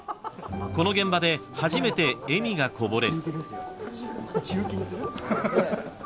［この現場で初めて笑みがこぼれる］